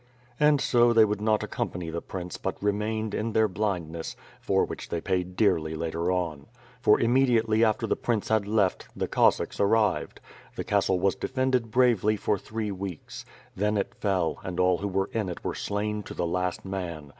And so they would not accompany the prince but remained, in their blindness, for which they paid dearly later on; for immediately after the prince had left, the Cossacks arrived. The castle was defended bravely for throe weeks. Then it fell and all who were in it were slain to the last man.